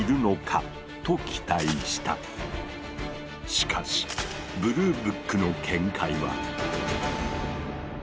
しかしブルーブックの見解は。